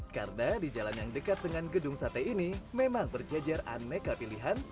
karena di jalan yang dekat dengan gedung sate ini memang berjajaran meka pilihan